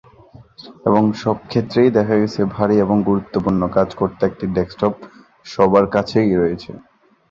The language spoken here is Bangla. কিন্তু সব ক্ষেত্রেই দেখা গেছে ভারি এবং গুরুত্বপূর্ণ কাজ করতে একটি ডেস্কটপ সবার কাছেই রয়েছে।